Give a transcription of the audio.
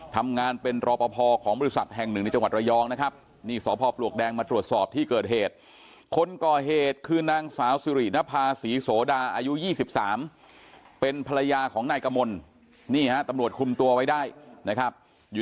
ทำงานเป็นรอปภของบริษัทแห่งหนึ่งในจังหวัดระยองนะครับ